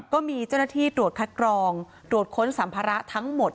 ก็มีเจ้าหน้าที่ตรวจคัดกรองตรวจค้นสัมภาระทั้งหมด